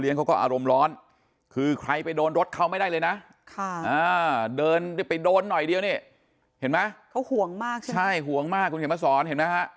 เห็นมั้ยเขาห่วงมากใช่ไหมใช่ห่วงมากคุณเขมรสรเห็นมั้ยฮะ